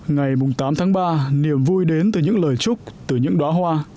ngày tám tháng ba niềm vui đến từ những lời chúc từ những đoá hoa